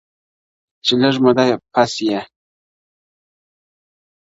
چي لږه موده پس ئې